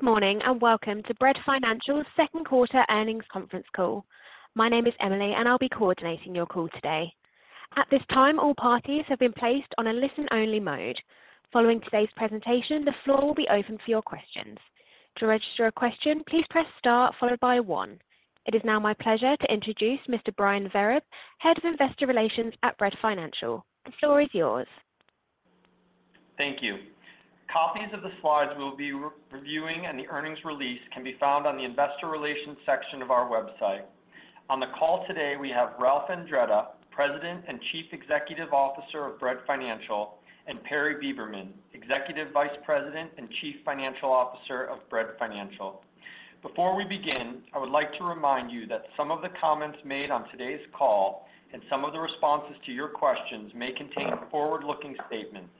Good morning, welcome to Bread Financial's Second Quarter Earnings Conference Call. My name is Emily, I'll be coordinating your call today. At this time, all parties have been placed on a listen-only mode. Following today's presentation, the floor will be open for your questions. To register a question, please press Star followed by one. It is now my pleasure to introduce Mr. Brian Vereb, Head of Investor Relations at Bread Financial. The floor is yours. Thank you. Copies of the slides we'll be reviewing and the earnings release can be found on the Investor Relations section of our website. On the call today, we have Ralph Andretta, President and Chief Executive Officer of Bread Financial, and Perry Beberman, Executive Vice President and Chief Financial Officer of Bread Financial. Before we begin, I would like to remind you that some of the comments made on today's call and some of the responses to your questions may contain forward-looking statements.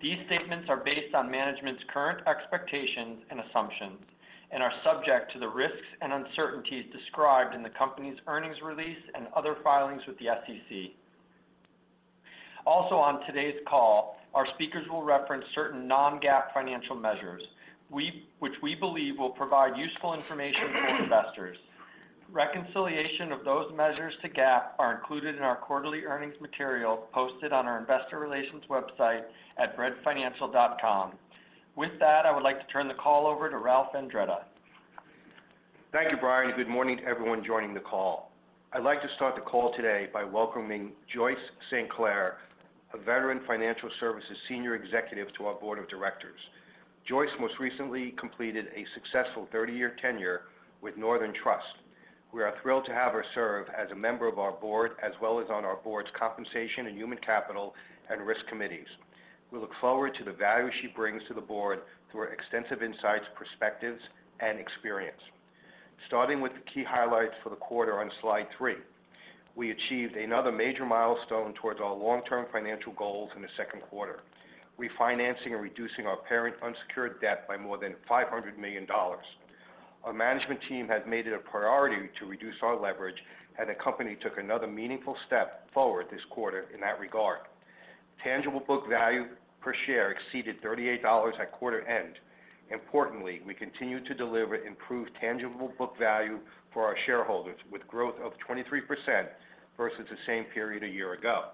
These statements are based on management's current expectations and assumptions and are subject to the risks and uncertainties described in the company's earnings release and other filings with the SEC. On today's call, our speakers will reference certain non-GAAP financial measures, which we believe will provide useful information for investors. Reconciliation of those measures to GAAP are included in our quarterly earnings material posted on our investor relations website at breadfinancial.com. With that, I would like to turn the call over to Ralph Andretta. Thank you, Brian. Good morning to everyone joining the call. I'd like to start the call today by welcoming Joyce St. Clair, a veteran financial services senior executive, to our board of directors. Joyce most recently completed a successful 30-year tenure with Northern Trust. We are thrilled to have her serve as a member of our board, as well as on our board's Compensation and Human Capital and Risk Committees. We look forward to the value she brings to the board through her extensive insights, perspectives, and experience. Starting with the key highlights for the quarter on slide three, we achieved another major milestone towards our long-term financial goals in the second quarter, refinancing and reducing our parent unsecured debt by more than $500 million. Our management team has made it a priority to reduce our leverage. The company took another meaningful step forward this quarter in that regard. Tangible book value per share exceeded $38 at quarter end. Importantly, we continue to deliver improved tangible book value for our shareholders, with growth of 23% versus the same period a year ago.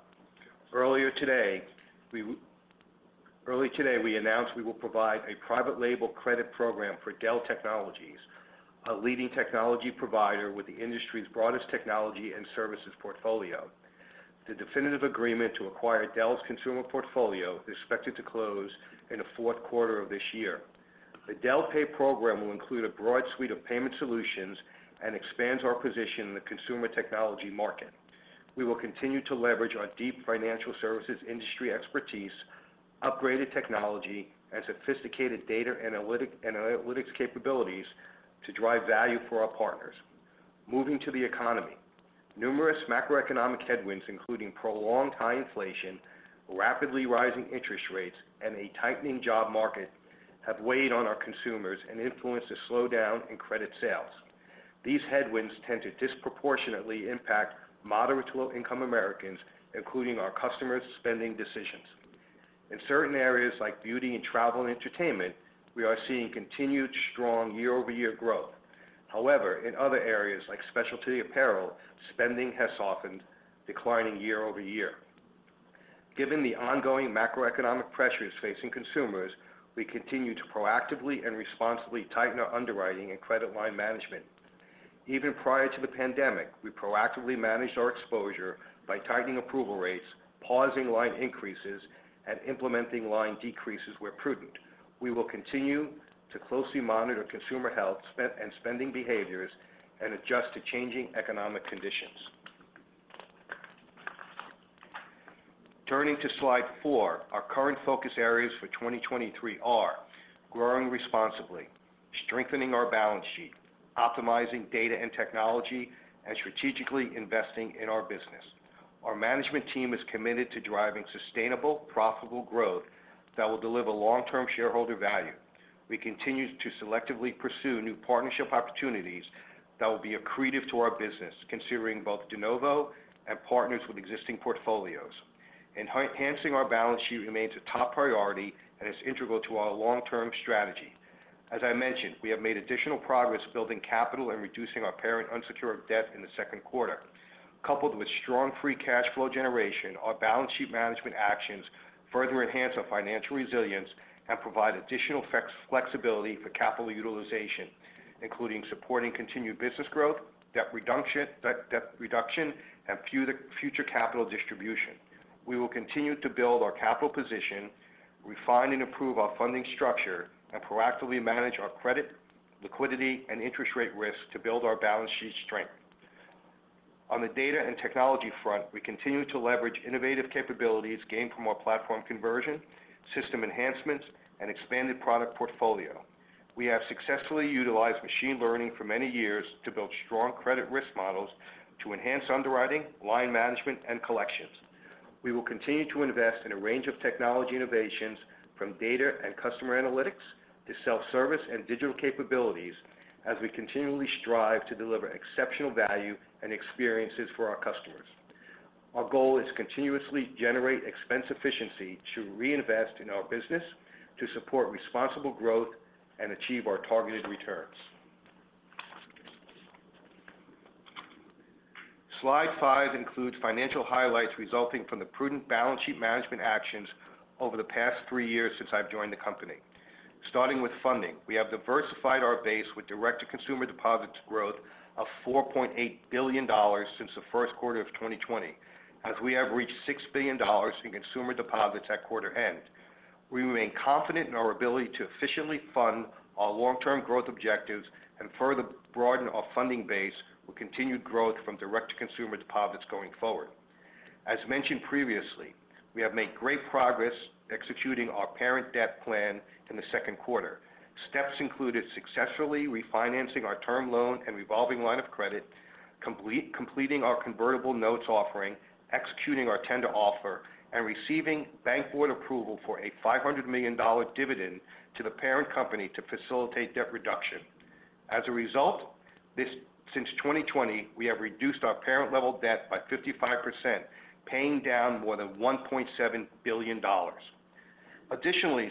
Earlier today, we announced we will provide a private label credit program for Dell Technologies, a leading technology provider with the industry's broadest technology and services portfolio. The definitive agreement to acquire Dell's consumer portfolio is expected to close in the fourth quarter of this year. The Dell Pay program will include a broad suite of payment solutions and expands our position in the consumer technology market. We will continue to leverage our deep financial services industry expertise, upgraded technology, and sophisticated data analytics capabilities to drive value for our partners. Moving to the economy. Numerous macroeconomic headwinds, including prolonged high inflation, rapidly rising interest rates, and a tightening job market, have weighed on our consumers and influenced a slowdown in credit sales. These headwinds tend to disproportionately impact moderate to low-income Americans, including our customers' spending decisions. In certain areas like beauty and travel and entertainment, we are seeing continued strong year-over-year growth. However, in other areas like specialty apparel, spending has softened, declining year over year. Given the ongoing macroeconomic pressures facing consumers, we continue to proactively and responsibly tighten our underwriting and credit line management. Even prior to the pandemic, we proactively managed our exposure by tightening approval rates, pausing line increases, and implementing line decreases where prudent. We will continue to closely monitor consumer health, spending behaviors and adjust to changing economic conditions. Turning to slide four, our current focus areas for 2023 are: growing responsibly, strengthening our balance sheet, optimizing data and technology, and strategically investing in our business. Our management team is committed to driving sustainable, profitable growth that will deliver long-term shareholder value. We continue to selectively pursue new partnership opportunities that will be accretive to our business, considering both de novo and partners with existing portfolios. Enhancing our balance sheet remains a top priority and is integral to our long-term strategy. As I mentioned, we have made additional progress building capital and reducing our parent unsecured debt in the second quarter. Coupled with strong free cash flow generation, our balance sheet management actions further enhance our financial resilience and provide additional flexibility for capital utilization, including supporting continued business growth, debt reduction, debt reduction, and future capital distribution. We will continue to build our capital position, refine and improve our funding structure, and proactively manage our credit, liquidity, and interest rate risks to build our balance sheet strength. On the data and technology front, we continue to leverage innovative capabilities gained from our platform conversion, system enhancements, and expanded product portfolio. We have successfully utilized machine learning for many years to build strong credit risk models to enhance underwriting, line management, and collections. We will continue to invest in a range of technology innovations, from data and customer analytics to self-service and digital capabilities, as we continually strive to deliver exceptional value and experiences for our customers. Our goal is to continuously generate expense efficiency to reinvest in our business, to support responsible growth and achieve our targeted returns. Slide five includes financial highlights resulting from the prudent balance sheet management actions over the past three years since I've joined the company. Starting with funding, we have diversified our base with direct-to-consumer deposits growth of $4.8 billion since the first quarter of 2020, as we have reached $6 billion in consumer deposits at quarter end. We remain confident in our ability to efficiently fund our long-term growth objectives and further broaden our funding base with continued growth from direct-to-consumer deposits going forward. As mentioned previously, we have made great progress executing our parent debt plan in the second quarter. Steps included successfully refinancing our term loan and revolving line of credit, completing our convertible notes offering, executing our tender offer, and receiving bank board approval for a $500 million dividend to the parent company to facilitate debt reduction. As a result, since 2020, we have reduced our parent level debt by 55%, paying down more than $1.7 billion. Additionally,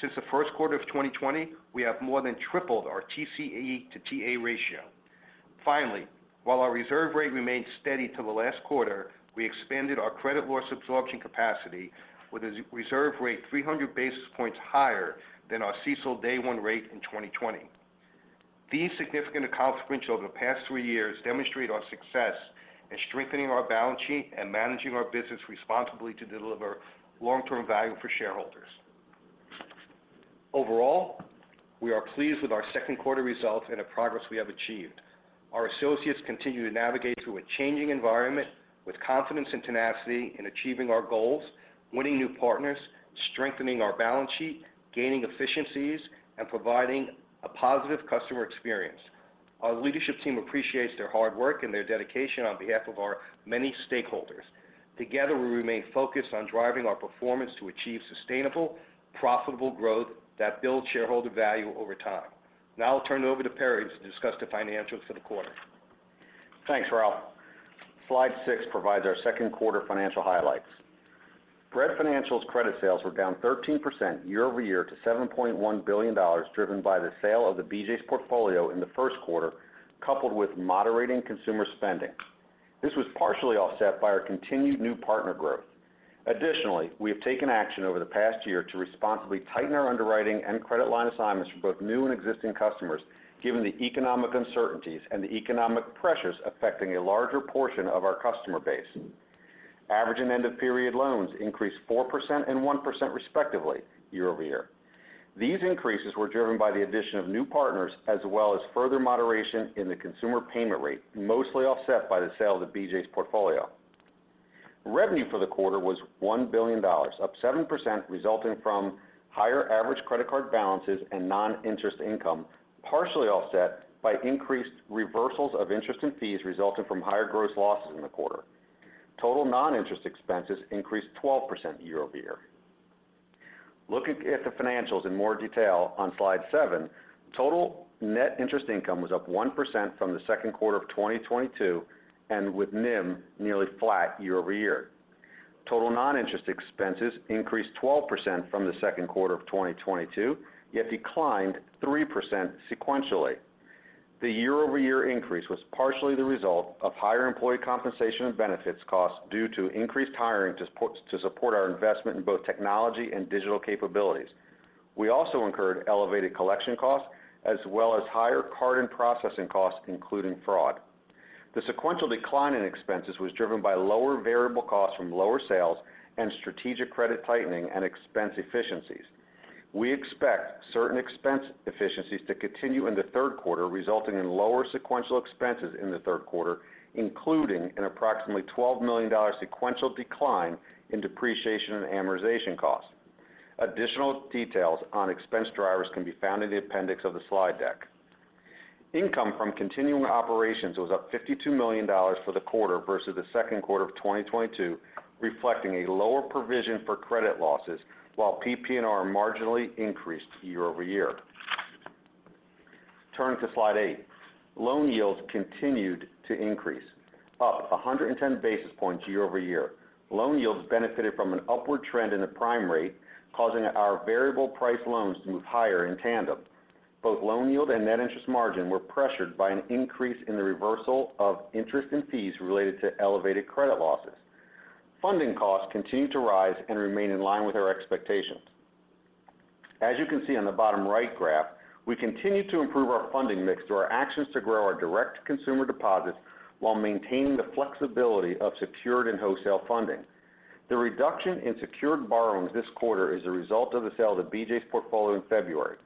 since the 1st quarter of 2020, we have more than tripled our TCE to TA ratio. Finally, while our reserve rate remained steady till the last quarter, we expanded our credit loss absorption capacity with a reserve rate 300 basis points higher than our CECL day one rate in 2020. These significant accomplishments over the past three years demonstrate our success in strengthening our balance sheet and managing our business responsibly to deliver long-term value for shareholders. Overall, we are pleased with our second quarter results and the progress we have achieved. Our associates continue to navigate through a changing environment with confidence and tenacity in achieving our goals, winning new partners, strengthening our balance sheet, gaining efficiencies, and providing a positive customer experience. Our leadership team appreciates their hard work and their dedication on behalf of our many stakeholders. Together, we remain focused on driving our performance to achieve sustainable, profitable growth that builds shareholder value over time. Now I'll turn it over to Perry to discuss the financials for the quarter. Thanks, Ralph. slide six provides our second quarter financial highlights. Bread Financial's credit sales were down 13% year-over-year to $7.1 billion, driven by the sale of the BJ's portfolio in the first quarter, coupled with moderating consumer spending. This was partially offset by our continued new partner growth. We have taken action over the past year to responsibly tighten our underwriting and credit line assignments for both new and existing customers, given the economic uncertainties and the economic pressures affecting a larger portion of our customer base. Average and end-of-period loans increased 4% and 1% respectively, year-over-year. These increases were driven by the addition of new partners, as well as further moderation in the consumer payment rate, mostly offset by the sale of the BJ's portfolio. Revenue for the quarter was $1 billion, up 7%, resulting from higher average credit card balances and non-interest income, partially offset by increased reversals of interest and fees resulting from higher gross losses in the quarter. Total non-interest expenses increased 12% year-over-year. Looking at the financials in more detail on slide seven, total net interest income was up 1% from the second quarter of 2022, and with NIM nearly flat year-over-year. Total non-interest expenses increased 12% from the second quarter of 2022, yet declined 3% sequentially. The year-over-year increase was partially the result of higher employee compensation and benefits costs due to increased hiring to support our investment in both technology and digital capabilities. We also incurred elevated collection costs, as well as higher card and processing costs, including fraud. The sequential decline in expenses was driven by lower variable costs from lower sales and strategic credit tightening and expense efficiencies. We expect certain expense efficiencies to continue in the third quarter, resulting in lower sequential expenses in the third quarter, including an approximately $12 million sequential decline in depreciation and amortization costs. Additional details on expense drivers can be found in the appendix of the slide deck. Income from continuing operations was up $52 million for the quarter versus the second quarter of 2022, reflecting a lower provision for credit losses, while PPNR marginally increased year-over-year. Turning to slide eight. Loan yields continued to increase, up 110 basis points year-over-year. Loan yields benefited from an upward trend in the prime rate, causing our variable price loans to move higher in tandem. Both loan yield and net interest margin were pressured by an increase in the reversal of interest and fees related to elevated credit losses. Funding costs continued to rise and remain in line with our expectations. As you can see on the bottom right graph, we continue to improve our funding mix through our actions to grow our direct-to-consumer deposits while maintaining the flexibility of secured and wholesale funding. The reduction in secured borrowings this quarter is a result of the sale of the BJ's portfolio in February.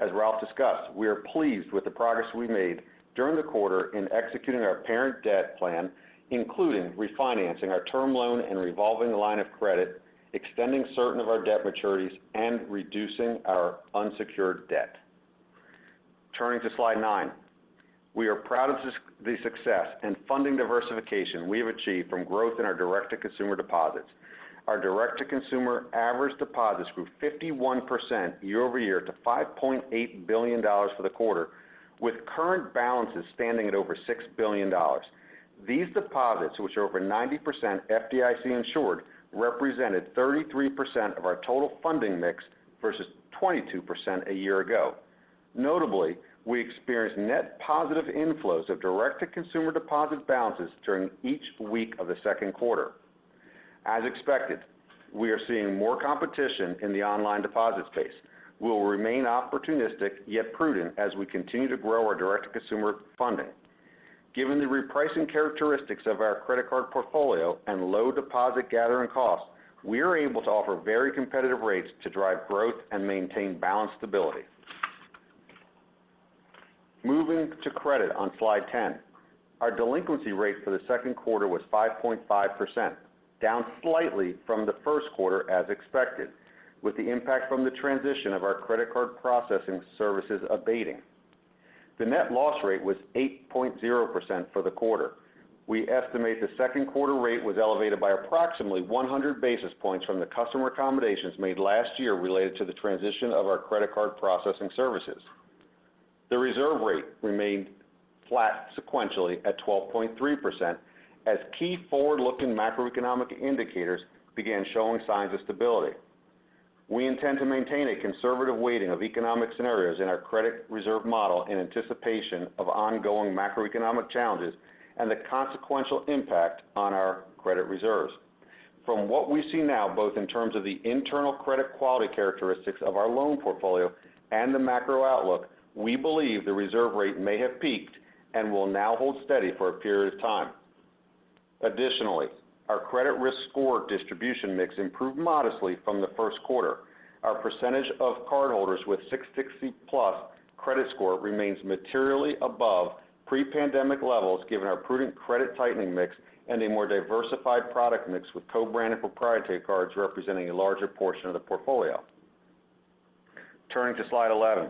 As Ralph discussed, we are pleased with the progress we made during the quarter in executing our parent debt plan, including refinancing our term loan and revolving line of credit, extending certain of our debt maturities, and reducing our unsecured debt. Turning to slide nine. We are proud of the success and funding diversification we have achieved from growth in our direct-to-consumer deposits. Our direct-to-consumer average deposits grew 51% year-over-year to $5.8 billion for the quarter, with current balances standing at over $6 billion. These deposits, which are over 90% FDIC-insured, represented 33% of our total funding mix, versus 22% a year ago. Notably, we experienced net positive inflows of direct-to-consumer deposit balances during each week of the second quarter. As expected, we are seeing more competition in the online deposit space. We will remain opportunistic, yet prudent, as we continue to grow our direct-to-consumer funding. Given the repricing characteristics of our credit card portfolio and low deposit gathering costs, we are able to offer very competitive rates to drive growth and maintain balance stability. Moving to credit on slide 10. Our delinquency rate for the second quarter was 5.5%, down slightly from the first quarter, as expected, with the impact from the transition of our credit card processing services abating. The net loss rate was 8.0% for the quarter. We estimate the second quarter rate was elevated by approximately 100 basis points from the customer accommodations made last year related to the transition of our credit card processing services. The reserve rate remained flat sequentially at 12.3%, as key forward-looking macroeconomic indicators began showing signs of stability. We intend to maintain a conservative weighting of economic scenarios in our credit reserve model in anticipation of ongoing macroeconomic challenges and the consequential impact on our credit reserves. From what we see now, both in terms of the internal credit quality characteristics of our loan portfolio and the macro outlook, we believe the reserve rate may have peaked and will now hold steady for a period of time. Additionally, our credit risk score distribution mix improved modestly from the first quarter. Our percentage of cardholders with 660-plus credit score remains materially above pre-pandemic levels, given our prudent credit tightening mix and a more diversified product mix, with co-branded proprietary cards representing a larger portion of the portfolio. Turning to slide 11.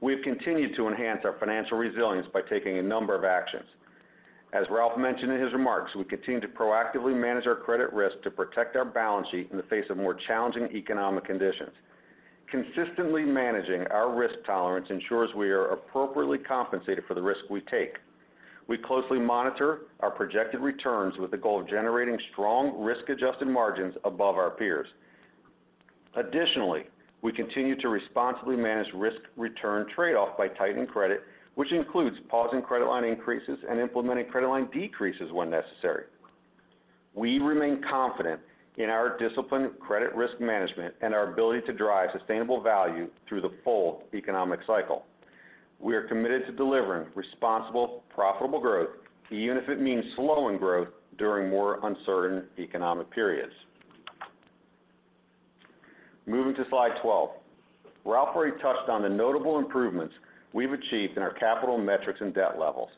We've continued to enhance our financial resilience by taking a number of actions. As Ralph mentioned in his remarks, we continue to proactively manage our credit risk to protect our balance sheet in the face of more challenging economic conditions. Consistently managing our risk tolerance ensures we are appropriately compensated for the risk we take. We closely monitor our projected returns with the goal of generating strong risk-adjusted margins above our peers. We continue to responsibly manage risk-return trade-off by tightening credit, which includes pausing credit line increases and implementing credit line decreases when necessary. We remain confident in our disciplined credit risk management and our ability to drive sustainable value through the full economic cycle. We are committed to delivering responsible, profitable growth, even if it means slowing growth during more uncertain economic periods. Moving to slide 12. Ralph already touched on the notable improvements we've achieved in our capital metrics and debt levels.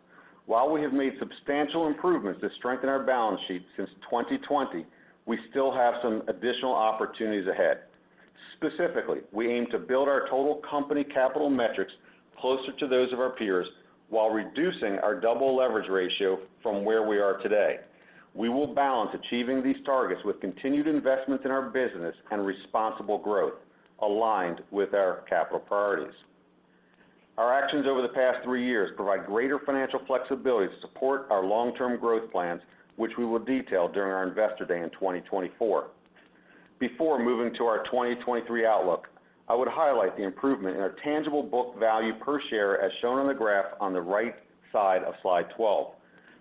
We have made substantial improvements to strengthen our balance sheet since 2020, we still have some additional opportunities ahead. We aim to build our total company capital metrics closer to those of our peers, while reducing our double leverage ratio from where we are today. We will balance achieving these targets with continued investments in our business and responsible growth, aligned with our capital priorities. Our actions over the past three years provide greater financial flexibility to support our long-term growth plans, which we will detail during our Investor Day in 2024. Before moving to our 2023 outlook, I would highlight the improvement in our tangible book value per share, as shown on the graph on the right side of slide 12.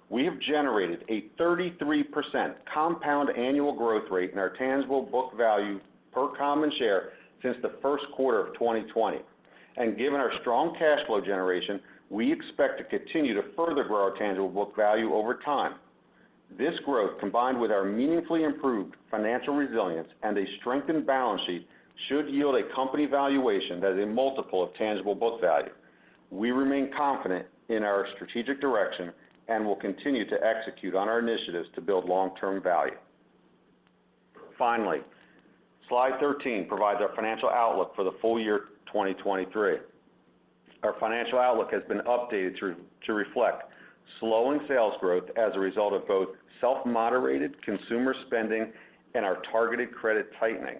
We have generated a 33% compound annual growth rate in our tangible book value per common share since the first quarter of 2020. Given our strong cash flow generation, we expect to continue to further grow our tangible book value over time. This growth, combined with our meaningfully improved financial resilience and a strengthened balance sheet, should yield a company valuation that is a multiple of tangible book value. We remain confident in our strategic direction and will continue to execute on our initiatives to build long-term value. Finally, slide 13 provides our financial outlook for the full year 2023. Our financial outlook has been updated to reflect slowing sales growth as a result of both self-moderated consumer spending and our targeted credit tightening.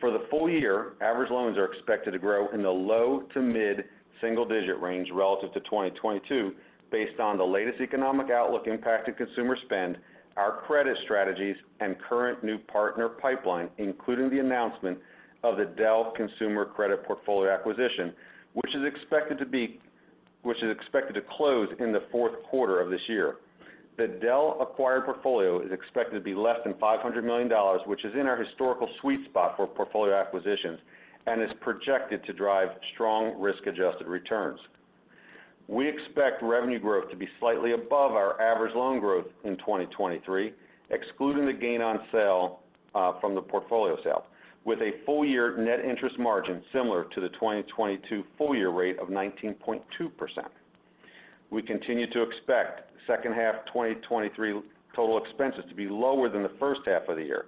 For the full year, average loans are expected to grow in the low to mid-single digit range relative to 2022, based on the latest economic outlook impact to consumer spend, our credit strategies, and current new partner pipeline, including the announcement of the Dell Consumer Credit Portfolio acquisition, which is expected to close in the fourth quarter of this year. The Dell acquired portfolio is expected to be less than $500 million, which is in our historical sweet spot for portfolio acquisitions, and is projected to drive strong risk-adjusted returns. We expect revenue growth to be slightly above our average loan growth in 2023, excluding the gain on sale from the portfolio sale, with a full-year net interest margin similar to the 2022 full-year rate of 19.2%. We continue to expect second half 2023 total expenses to be lower than the first half of the year,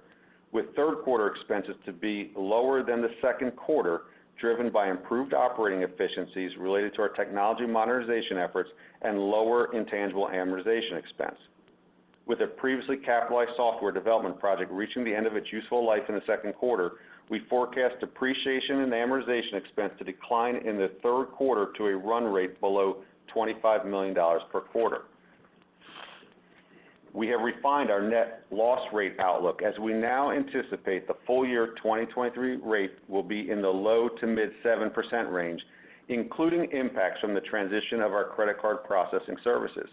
with third quarter expenses to be lower than the second quarter, driven by improved operating efficiencies related to our technology modernization efforts and lower intangible amortization expense. With a previously capitalized software development project reaching the end of its useful life in the second quarter, we forecast depreciation and amortization expense to decline in the third quarter to a run rate below $25 million per quarter. We have refined our net loss rate outlook as we now anticipate the full year 2023 rate will be in the low to mid 7% range, including impacts from the transition of our credit card processing services.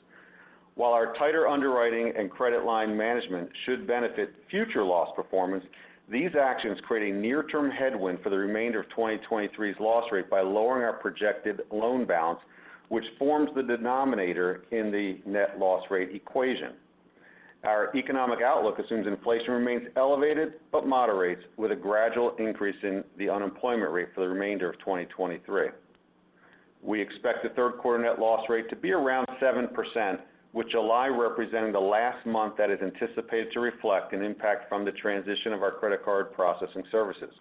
While our tighter underwriting and credit line management should benefit future loss performance, these actions create a near-term headwind for the remainder of 2023's loss rate by lowering our projected loan balance, which forms the denominator in the net loss rate equation. Our economic outlook assumes inflation remains elevated, but moderates, with a gradual increase in the unemployment rate for the remainder of 2023. We expect the third quarter net loss rate to be around 7%, with July representing the last month that is anticipated to reflect an impact from the transition of our credit card processing services.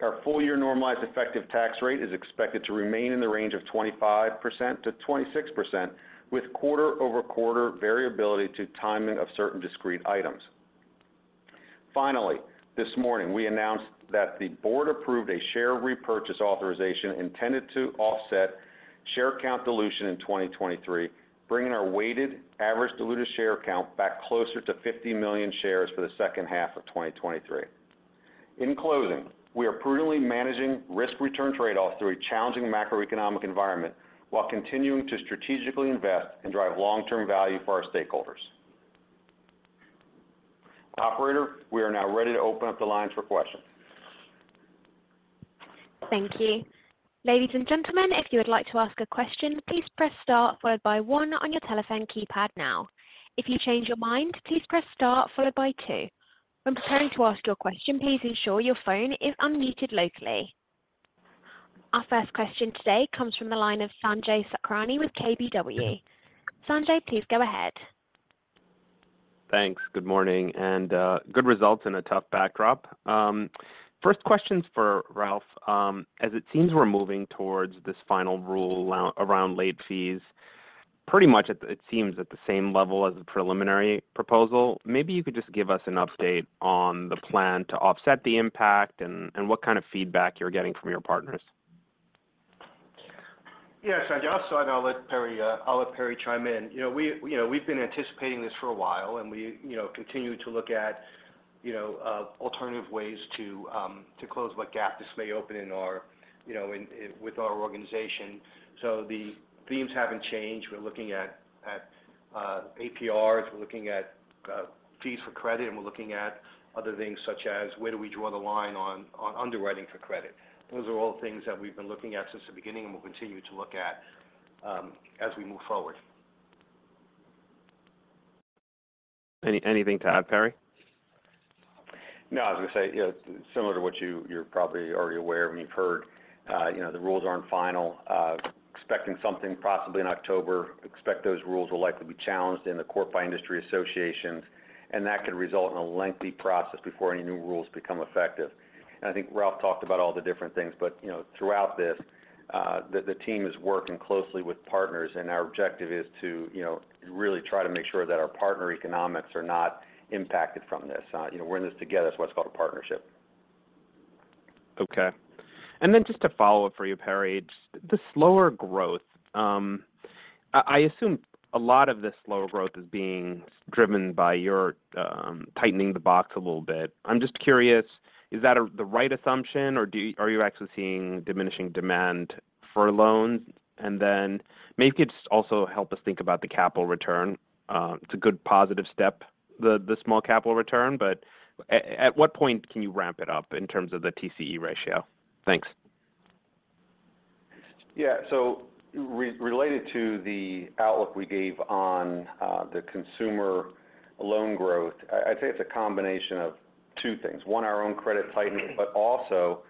Our full-year normalized effective tax rate is expected to remain in the range of 25%-26%, with quarter-over-quarter variability to timing of certain discrete items. Finally, this morning, we announced that the board approved a share repurchase authorization intended to offset share count dilution in 2023, bringing our weighted average diluted share count back closer to 50 million shares for the second half of 2023. In closing, we are prudently managing risk return trade-offs through a challenging macroeconomic environment while continuing to strategically invest and drive long-term value for our stakeholders. Operator, we are now ready to open up the lines for questions. Thank you. Ladies and gentlemen, if you would like to ask a question, please press star followed by 1 on your telephone keypad now. If you change your mind, please press star followed by 2. When preparing to ask your question, please ensure your phone is unmuted locally. Our first question today comes from the line of Sanjay Sakhrani with KBW. Sanjay, please go ahead. Thanks. Good morning, and good results in a tough backdrop. First questions for Ralph. As it seems we're moving towards this final rule around late fees, pretty much it seems at the same level as the preliminary proposal. Maybe you could just give us an update on the plan to offset the impact and what kind of feedback you're getting from your partners? Yeah, Sanjay, I'll start and I'll let Perry chime in. You know, we, you know, we've been anticipating this for a while, and we, you know, continue to look at, you know, alternative ways to close what gap this may open in our, you know, in, with our organization. The themes haven't changed. We're looking at APRs, we're looking at fees for credit, and we're looking at other things such as where do we draw the line on underwriting for credit? Those are all things that we've been looking at since the beginning and will continue to look at as we move forward. Anything to add, Perry? I was going to say, you know, similar to what you, you're probably already aware, and you've heard, you know, the rules aren't final. Expecting something possibly in October. Expect those rules will likely be challenged in the court by industry associations, and that could result in a lengthy process before any new rules become effective. I think Ralph talked about all the different things, but, you know, throughout this, the team is working closely with partners, and our objective is to, you know, really try to make sure that our partner economics are not impacted from this. You know, we're in this together. It's what's called a partnership. Okay. Just to follow up for you, Perry, the slower growth, I, I assume a lot of this slower growth is being driven by your tightening the box a little bit. I'm just curious, is that the right assumption, or are you actually seeing diminishing demand for loans? Maybe you could just also help us think about the capital return. It's a good positive step, the small capital return, but at what point can you ramp it up in terms of the TCE ratio? Thanks. Yeah. Related to the outlook we gave on the consumer loan growth, I'd say it's a combination of two things. One, our own credit tightening, but also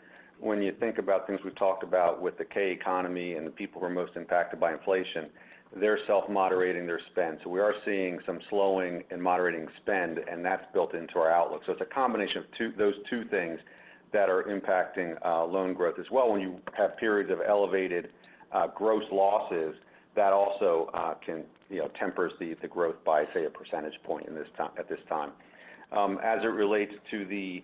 when you think about things we've talked about with the K-shaped economy and the people who are most impacted by inflation, they're self-moderating their spend. We are seeing some slowing and moderating spend, and that's built into our outlook. It's a combination of those two things that are impacting loan growth as well. When you have periods of elevated gross losses, that also can, you know, tempers the growth by, say, a percentage point at this time. As it relates to the,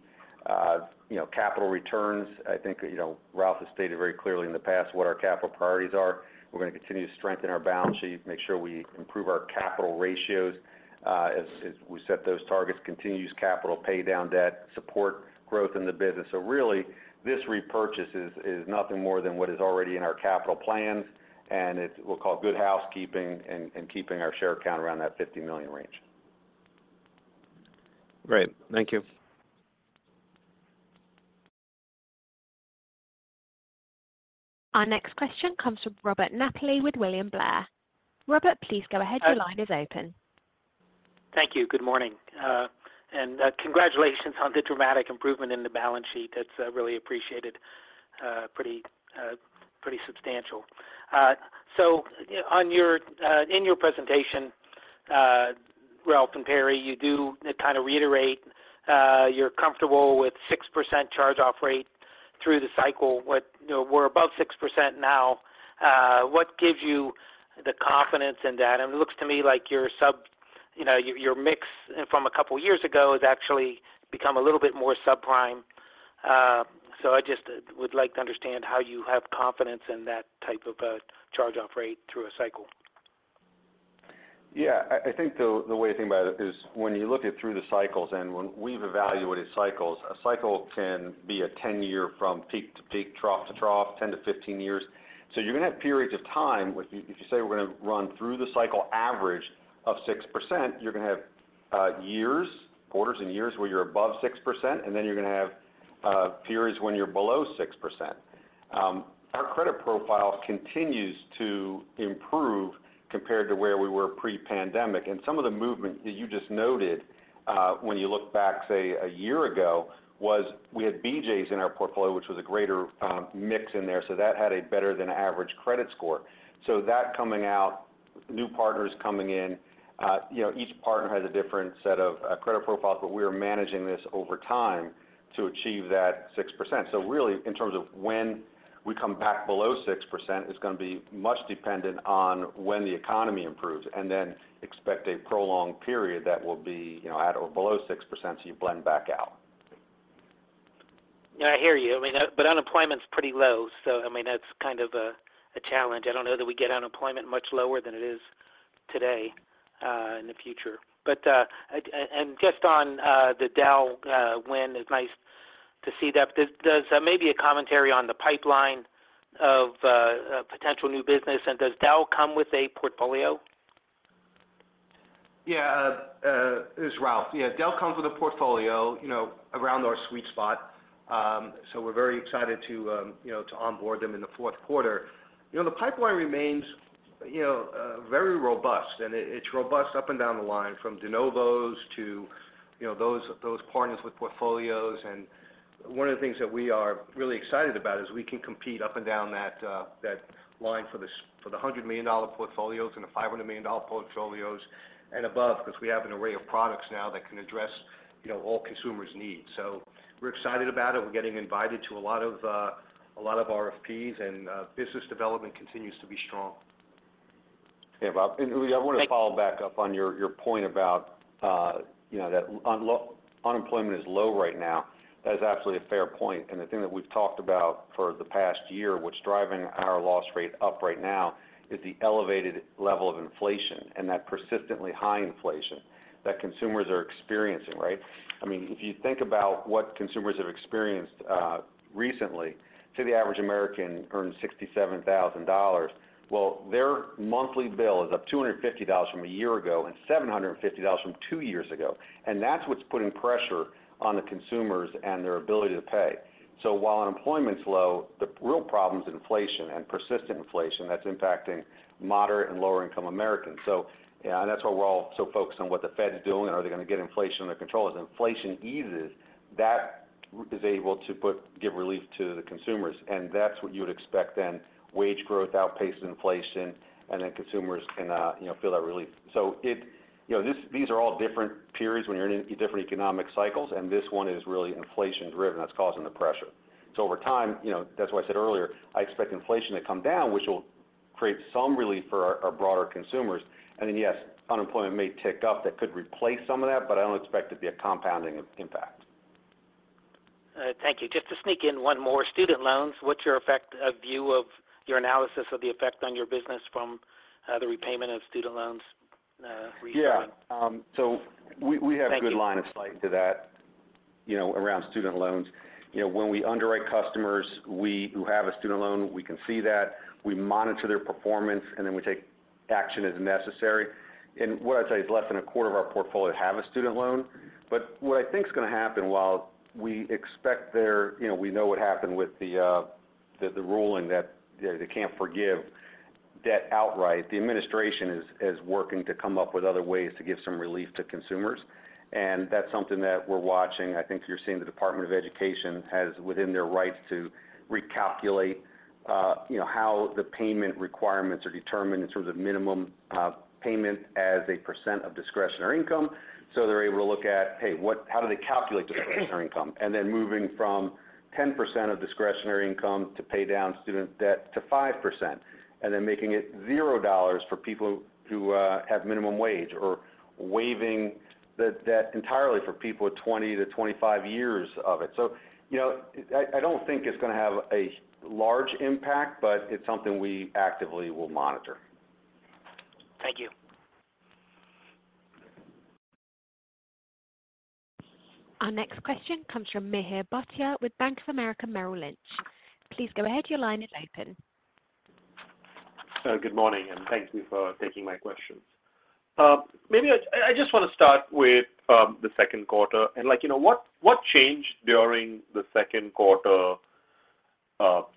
you know, capital returns, I think, you know, Ralph has stated very clearly in the past what our capital priorities are. We're going to continue to strengthen our balance sheet, make sure we improve our capital ratios, as we set those targets, continue to use capital, pay down debt, support growth in the business. Really, this repurchase is nothing more than what is already in our capital plans, and it's what we call good housekeeping and keeping our share count around that $50 million range. Great. Thank you. Our next question comes from Robert Napoli with William Blair. Robert, please go ahead. Your line is open. Thank you. Good morning, and congratulations on the dramatic improvement in the balance sheet. That's really appreciated, pretty substantial. In your presentation, Ralph and Perry, you do kind of reiterate, you're comfortable with 6% charge-off rate through the cycle. You know, we're above 6% now. What gives you the confidence in that? And it looks to me like your, you know, your mix from a couple years ago has actually become a little bit more subprime. I just would like to understand how you have confidence in that type of a charge-off rate through a cycle. Yeah, I think the way to think about it is when you look at through the cycles and when we've evaluated cycles, a cycle can be a 10-year from peak to peak, trough to trough, 10 to 15 years. You're going to have periods of time, which if you say we're going to run through the cycle average of 6%, you're going to have years, quarters and years where you're above 6%, and then you're going to have periods when you're below 6%. Our credit profile continues to improve compared to where we were pre-pandemic. Some of the movement that you just noted, when you look back, say, a year ago, was we had BJ's in our portfolio, which was a greater mix in there, so that had a better than average credit score. That coming out, new partners coming in, you know, each partner has a different set of credit profiles, but we are managing this over time to achieve that 6%. Really, in terms of when we come back below 6%, is going to be much dependent on when the economy improves, and then expect a prolonged period that will be, you know, at or below 6%, so you blend back out. Yeah, I hear you. I mean, unemployment is pretty low, I mean, that's kind of a, a challenge. I don't know that we get unemployment much lower than it is today, in the future. Just on the Dell win, it's nice to see that. Maybe a commentary on the pipeline of potential new business? Does Dell come with a portfolio? It's Ralph. Dell comes with a portfolio, you know, around our sweet spot. We're very excited to, you know, to onboard them in the fourth quarter. The pipeline remains, you know, very robust, and it's robust up and down the line, from de novos to, you know, those partners with portfolios. One of the things that we are really excited about is we can compete up and down that line for the $100 million portfolios and the $500 million portfolios and above, because we have an array of products now that can address, you know, all consumers' needs. We're excited about it. We're getting invited to a lot of RFPs, business development continues to be strong. Yeah, Rob. I want to follow back up on your, your point about, you know, unemployment is low right now. That is absolutely a fair point. The thing that we've talked about for the past year, what's driving our loss rate up right now, is the elevated level of inflation and that persistently high inflation that consumers are experiencing, right? I mean, if you think about what consumers have experienced recently, say, the average American earns $67,000. Well, their monthly bill is up $250 from a year ago and $750 from two years ago. That's what's putting pressure on the consumers and their ability to pay. While unemployment is low, the real problem is inflation and persistent inflation that's impacting moderate and lower-income Americans. That's why we're all so focused on what the Fed is doing, and are they going to get inflation under control? As inflation eases, that is able to give relief to the consumers. That's what you would expect then. Wage growth outpaces inflation. Then consumers can, you know, feel that relief. You know, these are all different periods when you're in different economic cycles, and this one is really inflation-driven, that's causing the pressure. Over time, you know, that's why I said earlier, I expect inflation to come down, which will create some relief for our broader consumers. Then, yes, unemployment may tick up. That could replace some of that, but I don't expect it to be a compounding impact. Thank you. Just to sneak in one more. Student loans, what's your effect, view of your analysis of the effect on your business from the repayment of student loans recently? Yeah, we. Thank you. -have a good line of sight to that, you know, around student loans. You know, when we underwrite customers, who have a student loan, we can see that, we monitor their performance, and then we take action as necessary. What I'd say, it's less than a quarter of our portfolio have a student loan. What I think is going to happen. You know, we know what happened with the ruling that they, they can't forgive debt outright. The administration is working to come up with other ways to give some relief to consumers, and that's something that we're watching. I think you're seeing the Department of Education has within their rights to recalculate, you know, how the payment requirements are determined in terms of minimum payment as a % of discretionary income. They're able to look at, hey, how do they calculate discretionary income? Then moving from 10% of discretionary income to pay down student debt to 5%, and then making it $0 for people who have minimum wage, or waiving the debt entirely for people with 20-25 years of it. You know, I, I don't think it's going to have a large impact, but it's something we actively will monitor. Thank you. Our next question comes from Mihir Bhatia with Bank of America Merrill Lynch. Please go ahead. Your line is open. Good morning, thank you for taking my questions. Maybe I just want to start with the second quarter, like, you know, what changed during the second quarter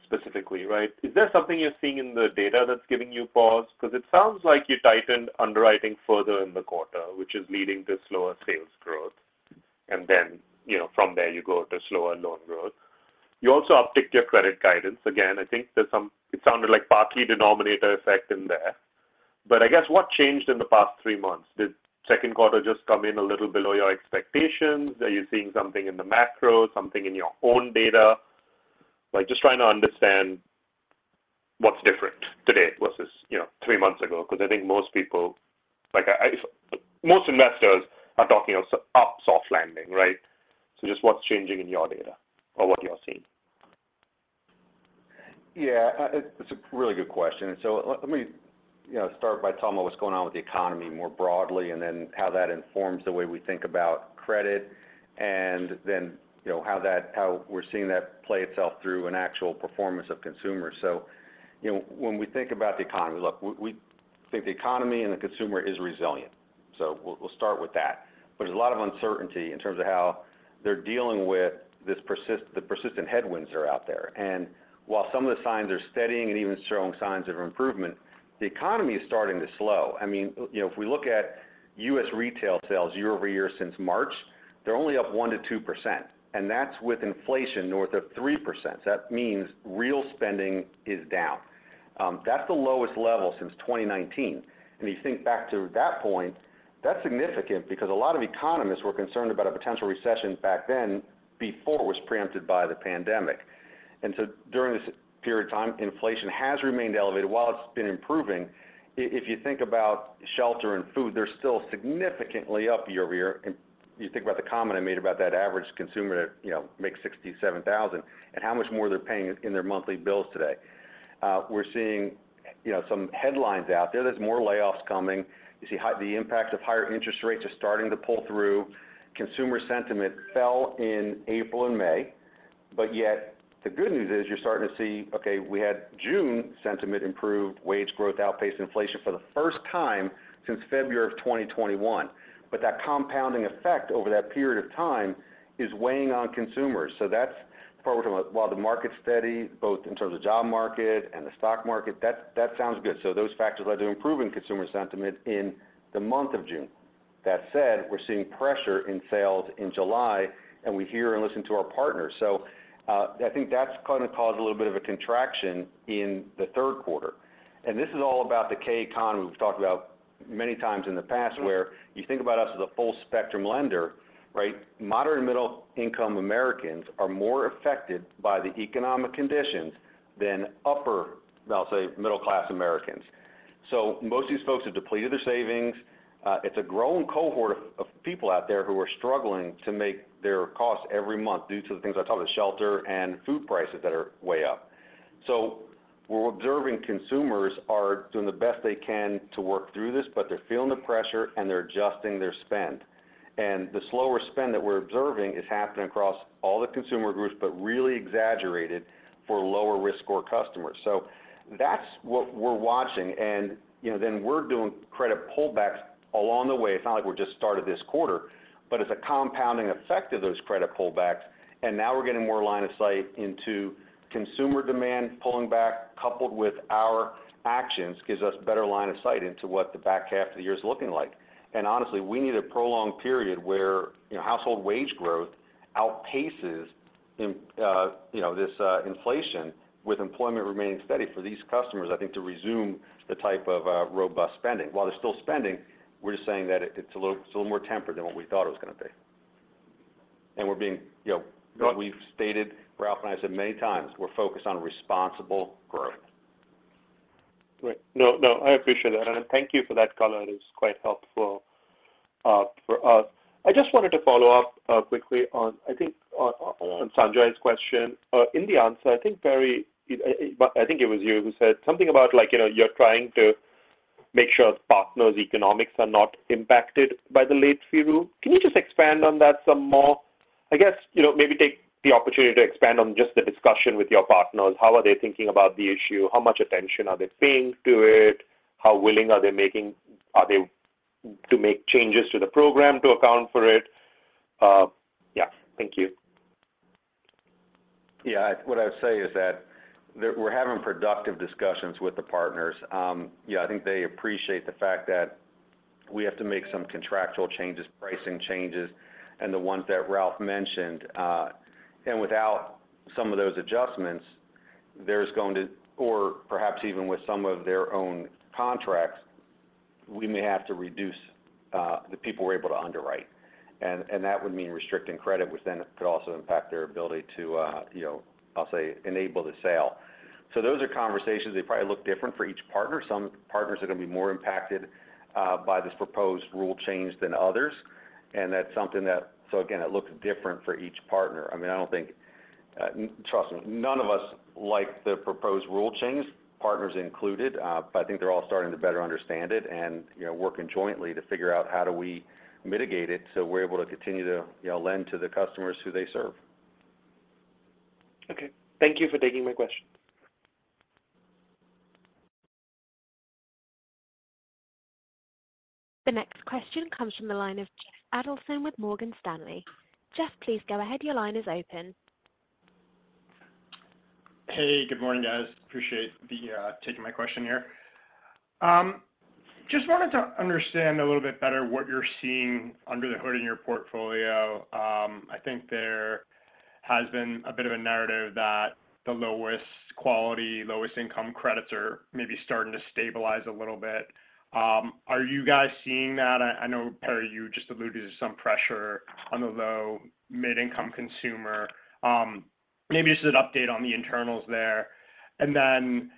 specifically, right? Is there something you're seeing in the data that's giving you pause? Because it sounds like you tightened underwriting further in the quarter, which is leading to slower sales growth. Then, you know, from there, you go to slower loan growth. You also upticked your credit guidance. Again, I think it sounded like partly denominator effect in there. I guess, what changed in the past three months? Did second quarter just come in a little below your expectations? Are you seeing something in the macro, something in your own data? Like, just trying to understand what's different today versus, you know, three months ago. I think most people, like, most investors are talking of a soft landing, right? Just what's changing in your data or what you're seeing? Yeah, it's a really good question. Let me, you know, start by telling what's going on with the economy more broadly, and then how that informs the way we think about credit, and then, you know, how we're seeing that play itself through an actual performance of consumers. You know, when we think about the economy, look, we think the economy and the consumer is resilient, so we'll start with that. There's a lot of uncertainty in terms of how they're dealing with the persistent headwinds that are out there. While some of the signs are steadying and even showing signs of improvement, the economy is starting to slow. If we look at US retail sales year over year since March, they're only up 1%-2%, and that's with inflation north of 3%. That means real spending is down. That's the lowest level since 2019. You think back to that point, that's significant because a lot of economists were concerned about a potential recession back then before it was preempted by the pandemic. During this period of time, inflation has remained elevated. While it's been improving, if you think about shelter and food, they're still significantly up year over year. You think about the comment I made about that average consumer that, you know, makes $67,000, and how much more they're paying in their monthly bills today. We're seeing, you know, some headlines out there. There's more layoffs coming. You see how the impacts of higher interest rates are starting to pull through. Consumer sentiment fell in April and May, but yet the good news is you're starting to see. We had June sentiment improved, wage growth outpaced inflation for the first time since February of 2021. That compounding effect over that period of time is weighing on consumers. That's part where we're talking about, while the market's steady, both in terms of job market and the stock market, that sounds good. Those factors led to improvement in consumer sentiment in the month of June. That said, we're seeing pressure in sales in July, and we hear and listen to our partners. I think that's going to cause a little bit of a contraction in the third quarter. This is all about the K-shaped economy we've talked about many times in the past, where you think about us as a full-spectrum lender, right? Moderate- and middle-income Americans are more affected by the economic conditions than upper, I'll say, middle-class Americans. Most of these folks have depleted their savings. It's a growing cohort of people out there who are struggling to make their costs every month due to the things I talked about, shelter and food prices that are way up. We're observing consumers are doing the best they can to work through this, but they're feeling the pressure, and they're adjusting their spend. The slower spend that we're observing is happening across all the consumer groups, but really exaggerated for lower risk score customers. That's what we're watching. you know, then we're doing credit pullbacks along the way. It's not like we just started this quarter, but it's a compounding effect of those credit pullbacks. Now we're getting more line of sight into consumer demand. Pulling back, coupled with our actions, gives us better line of sight into what the back half of the year is looking like. Honestly, we need a prolonged period where, you know, household wage growth outpaces inflation, with employment remaining steady for these customers, I think, to resume the type of robust spending. While they're still spending, we're just saying that it's a little more tempered than what we thought it was going to be. We're being, you know, what we've stated, Ralph and I said many times, we're focused on responsible growth. Great. No, no, I appreciate that, and thank you for that color. It is quite helpful for us. I just wanted to follow up quickly on, I think, on Sanjay's question. In the answer, I think, Perry, I think it was you who said something about like, you know, you're trying to make sure partners' economics are not impacted by the late fee rule. Can you just expand on that some more? I guess, you know, maybe take the opportunity to expand on just the discussion with your partners. How are they thinking about the issue? How much attention are they paying to it? How willing are they to make changes to the program to account for it? Yeah. Thank you. What I would say is that we're having productive discussions with the partners. I think they appreciate the fact that we have to make some contractual changes, pricing changes, and the ones that Ralph mentioned. Without some of those adjustments, or perhaps even with some of their own contracts, we may have to reduce the people we're able to underwrite. That would mean restricting credit, which then could also impact their ability to, you know, I'll say, enable the sale. Those are conversations. They probably look different for each partner. Some partners are going to be more impacted by this proposed rule change than others, and that's something. Again, it looks different for each partner. I mean, I don't think, trust me, none of us like the proposed rule changes, partners included. I think they're all starting to better understand it and, you know, working jointly to figure out how do we mitigate it so we're able to continue to, you know, lend to the customers who they serve. Okay. Thank you for taking my question. The next question comes from the line of Jeffrey Adelson with Morgan Stanley. Jeff, please go ahead. Your line is open. Hey, good morning, guys. Appreciate the taking my question here. Just wanted to understand a little bit better what you're seeing under the hood in your portfolio. I think there has been a bit of a narrative that the lowest quality, lowest income credits are maybe starting to stabilize a little bit. Are you guys seeing that? I know, Perry, you just alluded to some pressure on the low-mid-income consumer. Maybe just an update on the internals there. Then,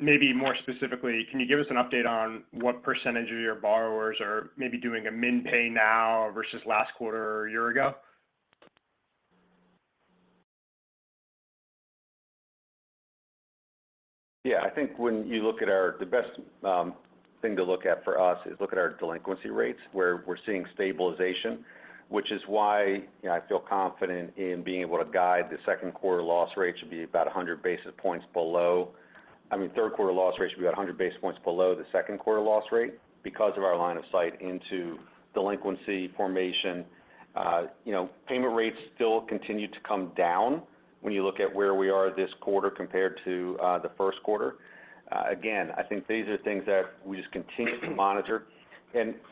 maybe more specifically, can you give us an update on what percentage of your borrowers are maybe doing a min pay now versus last quarter or a year ago? Yeah, I think when you look at the best thing to look at for us is look at our delinquency rates, where we're seeing stabilization. Which is why, you know, I feel confident in being able to guide the 2Q loss rate to be about 100 basis points below, I mean, 3Q loss rate should be about 100 basis points below the 2Q loss rate because of our line of sight into delinquency formation. You know, payment rates still continue to come down when you look at where we are this quarter compared to the 1Q. Again, I think these are things that we just continue to monitor.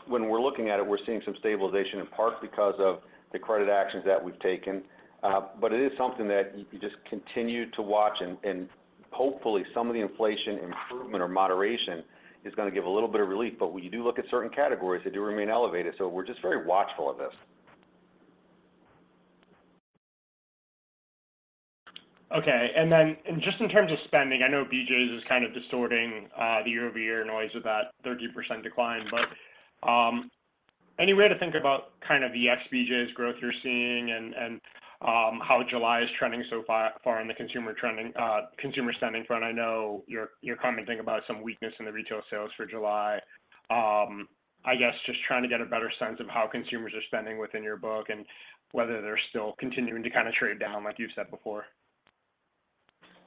When we're looking at it, we're seeing some stabilization, in part because of the credit actions that we've taken. It is something that you just continue to watch and hopefully some of the inflation improvement or moderation is gonna give a little bit of relief. When you do look at certain categories, they do remain elevated, so we're just very watchful of this. Okay. Just in terms of spending, I know BJ's is kind of distorting the year-over-year noise with that 30% decline. Any way to think about kind of the ex BJ's growth you're seeing and how July is trending so far in the consumer spending front? I know you're commenting about some weakness in the retail sales for July. I guess just trying to get a better sense of how consumers are spending within your book and whether they're still continuing to kind of trade down, like you've said before.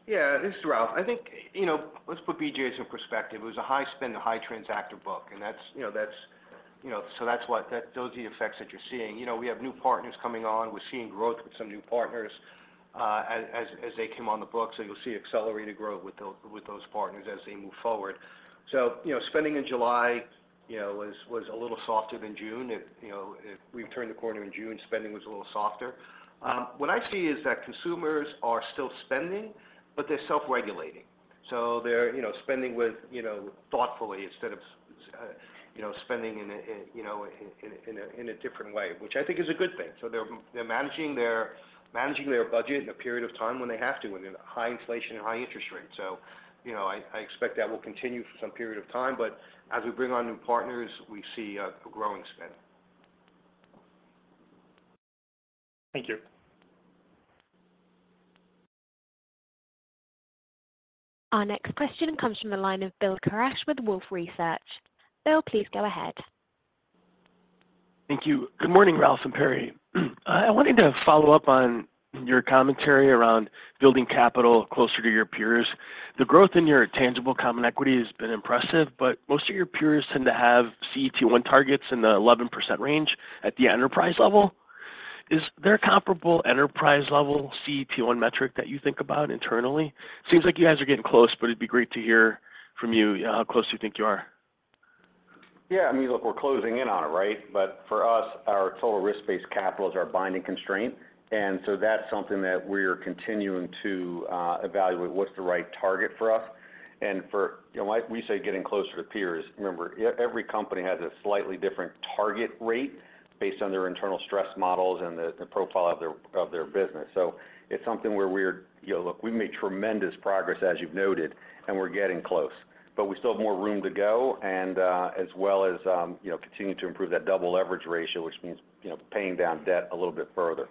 Yeah, this is Ralph. I think, you know, let's put BJ's in perspective. It was a high spend, a high transactor book, and that's, you know, Those are the effects that you're seeing. You know, we have new partners coming on. We're seeing growth with some new partners as they come on the book. You'll see accelerated growth with those partners as they move forward. You know, spending in July, you know, was a little softer than June. It, you know, we've turned the corner in June. Spending was a little softer. What I see is that consumers are still spending, they're self-regulating. They're, you know, spending with, you know, thoughtfully instead of, you know, spending in a, you know, in a different way, which I think is a good thing. They're managing their budget in a period of time when they have to, when you're in high inflation and high interest rates. You know, I expect that will continue for some period of time, but as we bring on new partners, we see a growing spend. Thank you. Our next question comes from the line of Bill Carcache with Wolfe Research. Bill, please go ahead. Thank you. Good morning, Ralph and Perry. I wanted to follow up on your commentary around building capital closer to your peers. The growth in your tangible common equity has been impressive, but most of your peers tend to have CET1 targets in the 11% range at the enterprise level. Is there a comparable enterprise-level CET1 metric that you think about internally? Seems like you guys are getting close, but it'd be great to hear from you, how close you think you are. Yeah, I mean, look, we're closing in on it, right? For us, our total risk-based capital is our binding constraint. That's something that we're continuing to evaluate what's the right target for us. You know, when we say getting closer to peers, remember, every company has a slightly different target rate based on their internal stress models and the profile of their business. It's something where we're, you know, look, we've made tremendous progress, as you've noted, and we're getting close. We still have more room to go, as well as, you know, continuing to improve that double leverage ratio, which means, you know, paying down debt a little bit further.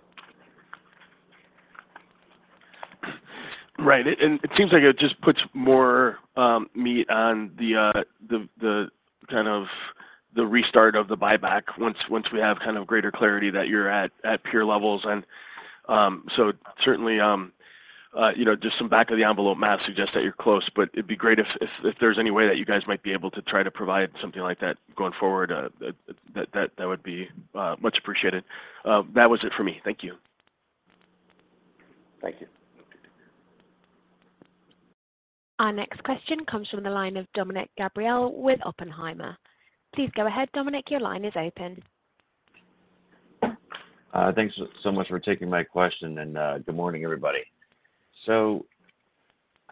Right. It seems like it just puts more meat on the kind of the restart of the buyback once we have kind of greater clarity that you're at peer levels. Certainly, you know, just some back-of-the-envelope math suggests that you're close, but it'd be great if there's any way that you guys might be able to try to provide something like that going forward, that would be much appreciated. That was it for me. Thank you. Thank you. Our next question comes from the line of Dominick Gabriele with Oppenheimer. Please go ahead, Dominick, your line is open. Thanks so much for taking my question, good morning, everybody.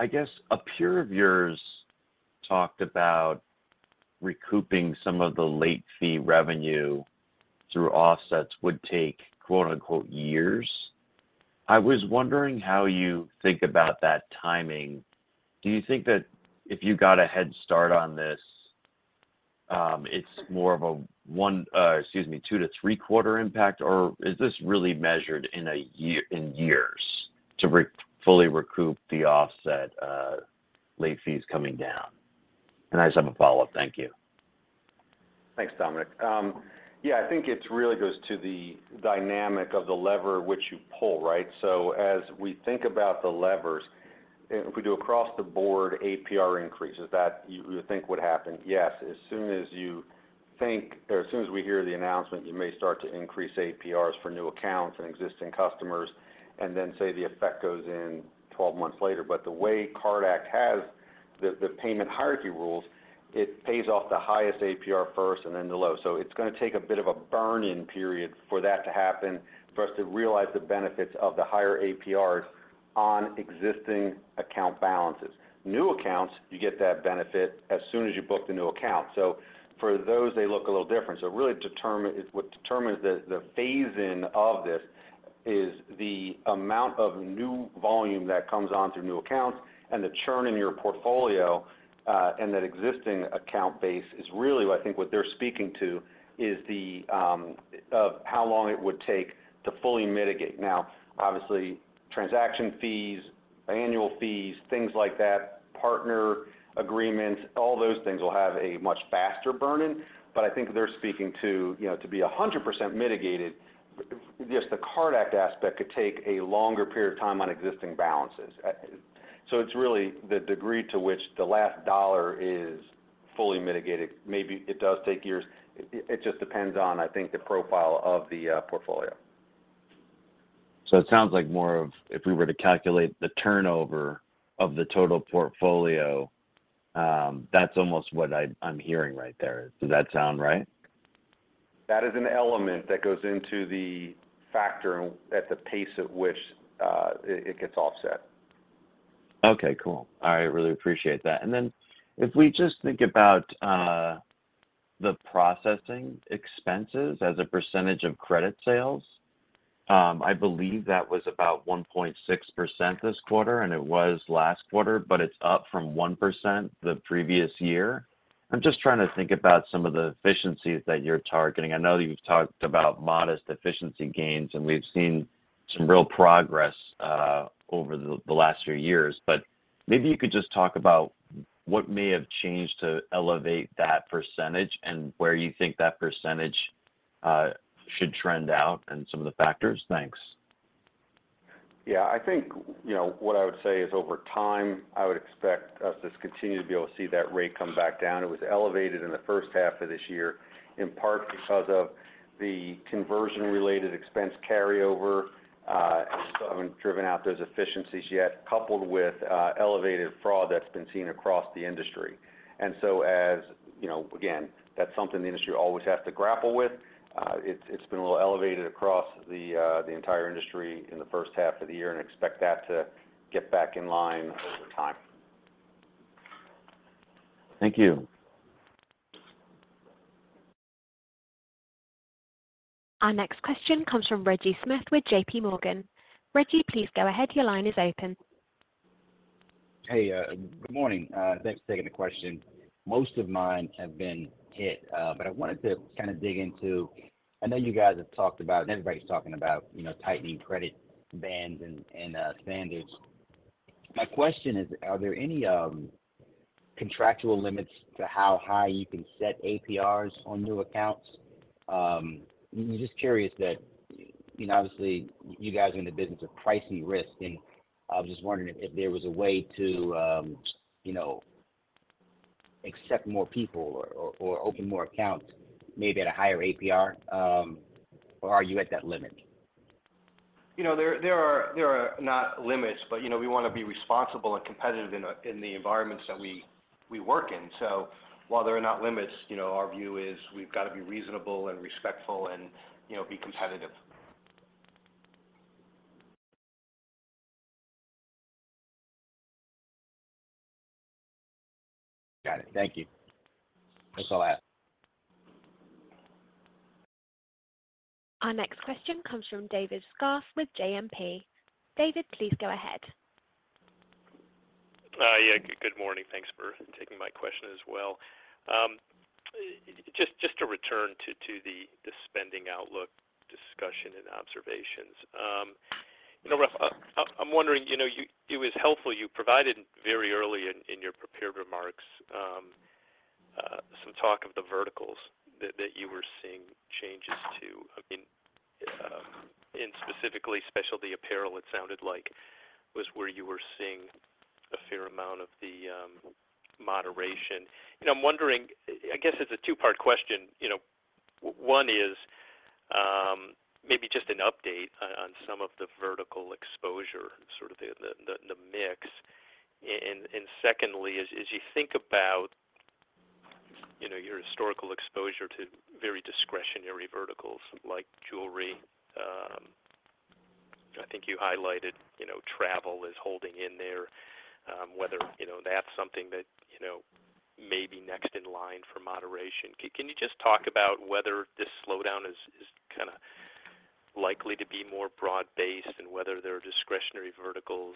I guess a peer of yours talked about recouping some of the late fee revenue through offsets would take, quote-unquote, "years." I was wondering how you think about that timing. Do you think that if you got a head start on this, it's more of a 1, excuse me, 2-3-quarter impact? Or is this really measured in years to fully recoup the offset, late fees coming down? I just have a follow-up. Thank you. Thanks, Dominick. I think it really goes to the dynamic of the lever which you pull, right? As we think about the levers, if we do across the board APR increases, that you think would happen? Yes. As soon as you think, or as soon as we hear the announcement, you may start to increase APRs for new accounts and existing customers, and then say the effect goes in 12 months later. The way Card Act has the payment hierarchy rules, it pays off the highest APR first and then the low. It's going to take a bit of a burn-in period for that to happen, for us to realize the benefits of the higher APRs on existing account balances. New accounts, you get that benefit as soon as you book the new account. For those, they look a little different. Really is what determines the phase-in of this is the amount of new volume that comes on through new accounts and the churn in your portfolio, and that existing account base is really, I think, what they're speaking to, is the of how long it would take to fully mitigate. Now, obviously, transaction fees, annual fees, things like that, partner agreements, all those things will have a much faster burn-in. I think they're speaking to, you know, to be 100% mitigated, just the Card Act aspect could take a longer period of time on existing balances. It's really the degree to which the last dollar is fully mitigated. Maybe it does take years. It just depends on, I think, the profile of the portfolio. It sounds like more of if we were to calculate the turnover of the total portfolio, that's almost what I'm hearing right there. Does that sound right? That is an element that goes into the factor at the pace at which it gets offset. Okay, cool. I really appreciate that. If we just think about the processing expenses as a percentage of credit sales, I believe that was about 1.6% this quarter, and it was last quarter, it's up from 1% the previous year. I'm just trying to think about some of the efficiencies that you're targeting. I know that you've talked about modest efficiency gains, and we've seen some real progress over the last few years. Maybe you could just talk about what may have changed to elevate that percentage and where you think that percentage should trend out and some of the factors. Thanks. Yeah, I think, you know, what I would say is over time, I would expect us to continue to be able to see that rate come back down. It was elevated in the first half of this year, in part because of the conversion-related expense carryover, haven't driven out those efficiencies yet, coupled with elevated fraud that's been seen across the industry. you know, again, that's something the industry always has to grapple with. it's been a little elevated across the entire industry in the first half of the year and expect that to get back in line over time. Thank you. Our next question comes from Reggie Smith with JPMorgan. Reggie, please go ahead. Your line is open. Hey, good morning. Thanks for taking the question. Most of mine have been hit, but I wanted to kind of dig into. I know you guys have talked about, and everybody's talking about, you know, tightening credit bands and standards. My question is, are there any contractual limits to how high you can set APRs on new accounts? I'm just curious that, you know, obviously, you guys are in the business of pricing risk, and I was just wondering if there was a way to, you know, accept more people or open more accounts, maybe at a higher APR, or are you at that limit? You know, there are not limits, but, you know, we want to be responsible and competitive in the environments that we, we work in. While there are not limits, you know, our view is we've got to be reasonable and respectful and, you know, be competitive. Got it. Thank you. That's all I have. Our next question comes from David Scharf with JMP. David, please go ahead. Yeah, good morning. Thanks for taking my question as well. Just to return to the spending outlook discussion and observations. You know, Ralph, I'm wondering, you know, you. It was helpful you provided very early in your prepared remarks, some talk of the verticals that you were seeing changes to, I mean, and specifically specialty apparel, it sounded like, was where you were seeing a fair amount of the moderation. I'm wondering, I guess it's a two-part question. You know, one is, maybe just an update on some of the vertical exposure, sort of the mix. Secondly, as you think about, you know, your historical exposure to very discretionary verticals like jewelry, I think you highlighted, you know, travel as holding in there, whether, you know, that's something that, you know, may be next in line for moderation. Can you just talk about whether this slowdown is kind of likely to be more broad-based and whether there are discretionary verticals,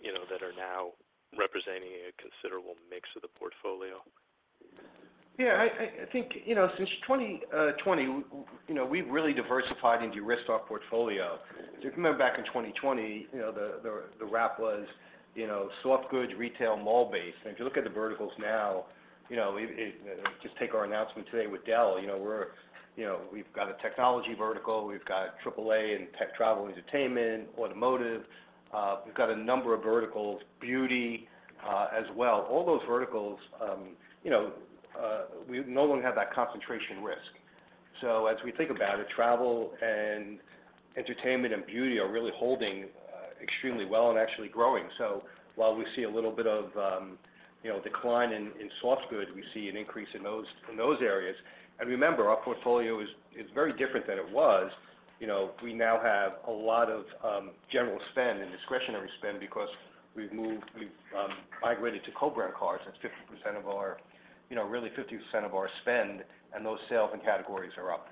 you know, that are now representing a considerable mix of the portfolio? I think, you know, since 2020, you know, we've really diversified and de-risked our portfolio. If you remember back in 2020, you know, the wrap was, you know, soft goods, retail, mall-based. If you look at the verticals now, you know, just take our announcement today with Dell, you know, we're, you know, we've got a technology vertical, we've got AAA and tech, travel, entertainment, automotive, we've got a number of verticals, beauty, as well. All those verticals, you know, we no longer have that concentration risk. As we think about it, travel and entertainment and beauty are really holding extremely well and actually growing. While we see a little bit of, you know, decline in soft goods, we see an increase in those areas. Remember, our portfolio is very different than it was. You know, we now have a lot of general spend and discretionary spend because we've migrated to co-brand cards. That's 50% of our, you know, really 50% of our spend. Those sales and categories are up.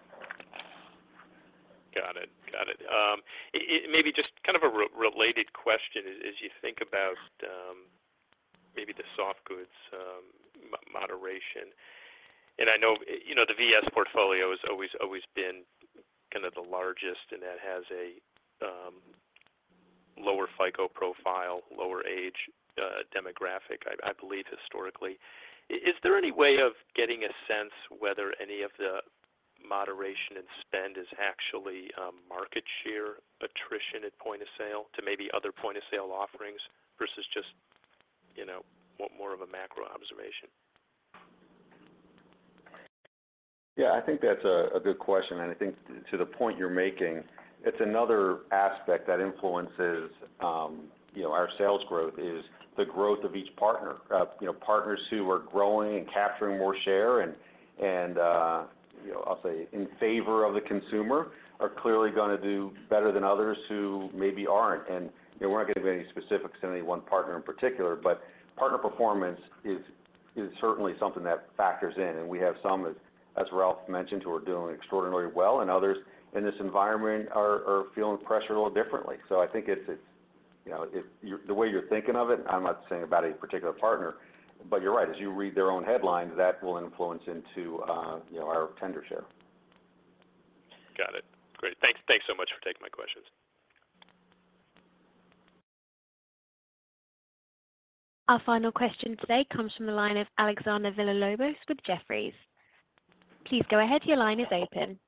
Got it. Got it. Maybe just kind of a related question as you think about maybe the soft goods moderation. I know, you know, the VS portfolio has always been kind of the largest, and that has a lower FICO profile, lower age demographic, I believe, historically. Is there any way of getting a sense whether any of the moderation in spend is actually market share attrition at point of sale to maybe other point of sale offerings versus just, you know, more of a macro observation? Yeah, I think that's a good question. I think to the point you're making, it's another aspect that influences, you know, our sales growth, is the growth of each partner. You know, partners who are growing and capturing more share and, you know, I'll say in favor of the consumer, are clearly gonna do better than others who maybe aren't. You know, we're not getting into any specifics to any one partner in particular, but partner performance is certainly something that factors in, and we have some, as Ralph mentioned, who are doing extraordinarily well, and others in this environment are feeling the pressure a little differently. I think it's, you know, the way you're thinking of it, I'm not saying about any particular partner, but you're right. As you read their own headlines, that will influence into, you know, our tender offer. Got it. Great. Thanks so much for taking my questions. Our final question today comes from the line of Alexander Villalobos with Jefferies. Please go ahead. Your line is open.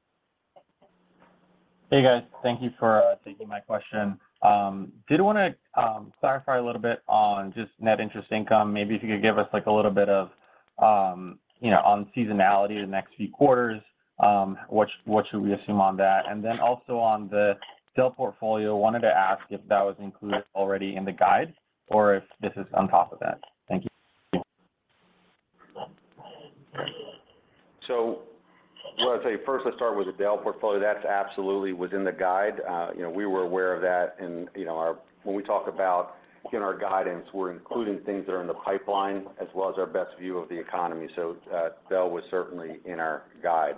Hey, guys. Thank you for taking my question. Did want to clarify a little bit on just net interest income. Maybe if you could give us, like, a little bit of, you know, on seasonality in the next few quarters, what should we assume on that? Then also on the Dell portfolio, wanted to ask if that was included already in the guide or if this is on top of that? Thank you. What I'd say, first, let's start with the Dell portfolio. That's absolutely within the guide. You know, we were aware of that and, you know, when we talk about in our guidance, we're including things that are in the pipeline as well as our best view of the economy. Dell was certainly in our guide.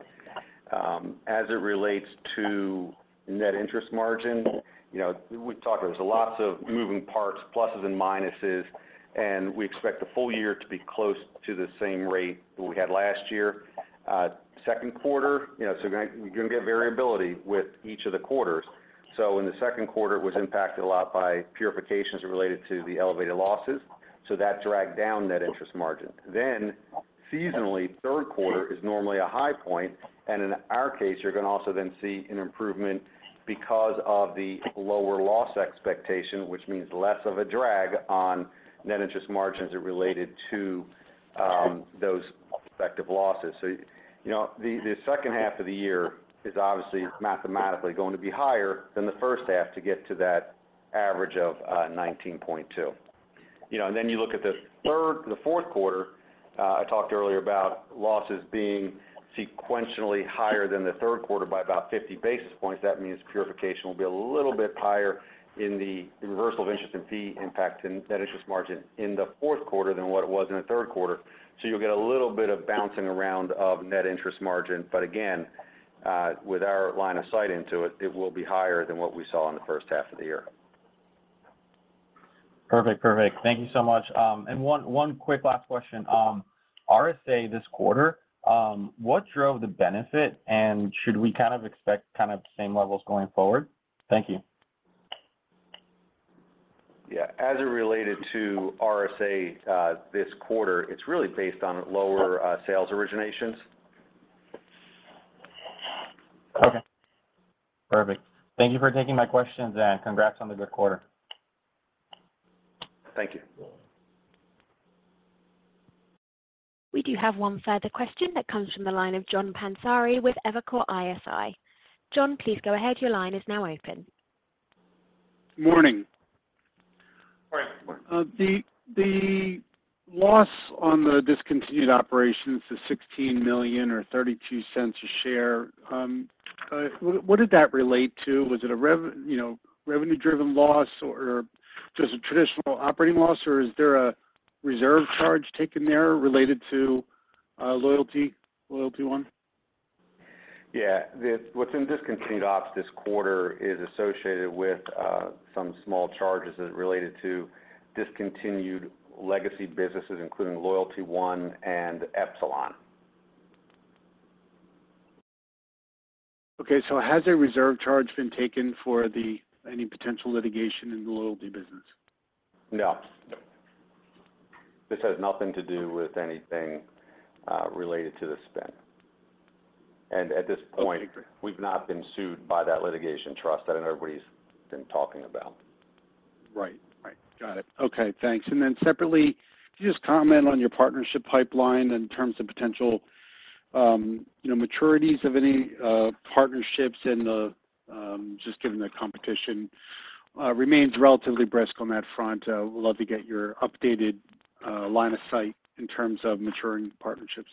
As it relates to net interest margin, you know, we've talked, there's lots of moving parts, pluses and minuses, and we expect the full year to be close to the same rate we had last year. Second quarter, you know, so you're gonna get variability with each of the quarters. In the second quarter, it was impacted a lot by charge-offs related to the elevated losses, so that dragged down that interest margin. Seasonally, third quarter is normally a high point, and in our case, you're going to also then see an improvement because of the lower loss expectation, which means less of a drag on net interest margins are related to those effective losses. You know, the second half of the year is obviously mathematically going to be higher than the first half to get to that average of 19.2. You know, you look at the fourth quarter, I talked earlier about losses being sequentially higher than the third quarter by about 50 basis points. That means charge-off will be a little bit higher in the reversal of interest and fee impact in net interest margin in the fourth quarter than what it was in the third quarter. You'll get a little bit of bouncing around of net interest margin. Again, with our line of sight into it, it will be higher than what we saw in the first half of the year. Perfect. Perfect. Thank you so much. One quick last question. RSA, this quarter, what drove the benefit, and should we expect kind of the same levels going forward? Thank you. As it related to RSA, this quarter, it's really based on lower sales originations. Okay, perfect. Thank you for taking my questions, and congrats on the good quarter. Thank you. We do have one further question that comes from the line of John Pancari with Evercore ISI. John, please go ahead. Your line is now open. Morning. Morning. The loss on the discontinued operations is $16 million or $0.32 a share. What did that relate to? Was it, you know, revenue-driven loss or just a traditional operating loss, or is there a reserve charge taken there related to LoyaltyOne? What's in discontinued ops this quarter is associated with some small charges as related to discontinued legacy businesses, including LoyaltyOne and Epsilon. Okay. Has a reserve charge been taken for any potential litigation in the Loyalty business? No.... This has nothing to do with anything related to the spin. At this point, we've not been sued by that litigation trust that everybody's been talking about. Right. Got it. Okay, thanks. Separately, can you comment on your partnership pipeline in terms of potential, you know, maturities of any partnerships and the just given the competition remains relatively brisk on that front? Would love to get your updated line of sight in terms of maturing partnerships.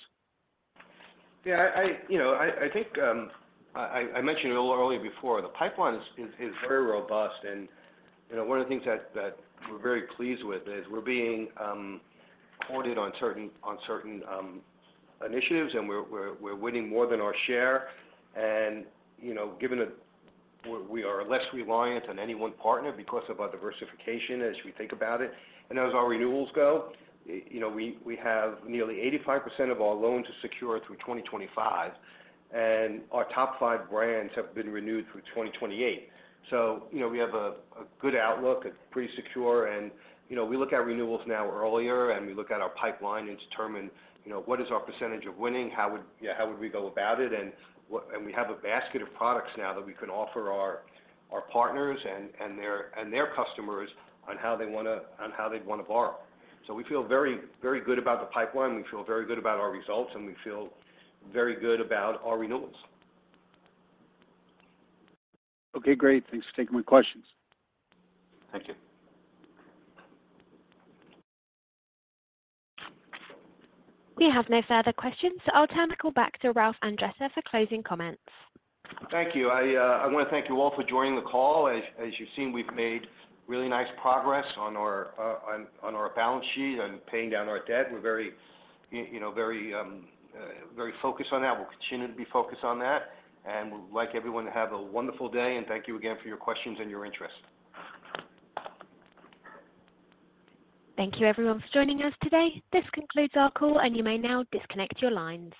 Yeah, you know, I think, I mentioned it a little early before, the pipeline is very robust. You know, one of the things that we're very pleased with is we're being quoted on certain initiatives, and we're winning more than our share. You know, given that we are less reliant on any one partner because of our diversification as we think about it. As our renewals go, you know, we have nearly 85% of our loans are secure through 2025, and our top five brands have been renewed through 2028. You know, we have a good outlook, it's pretty secure. You know, we look at renewals now earlier, and we look at our pipeline and determine, you know, what is our percentage of winning? How would, yeah, how would we go about it? We have a basket of products now that we can offer our partners and their customers on how they wanna, on how they'd wanna borrow. We feel very good about the pipeline. We feel very good about our results, and we feel very good about our renewals. Okay, great. Thanks for taking my questions. Thank you. We have no further qu estions, so I'll turn the call back to Ralph Andretta for closing comments. Thank you. I wanna thank you all for joining the call. As you've seen, we've made really nice progress on our balance sheet, on paying down our debt. We're very, you know, very focused on that. We'll continue to be focused on that. We'd like everyone to have a wonderful day, and thank you again for your questions and your interest. Thank you, everyone, for joining us today. This concludes our call, and you may now disconnect your lines.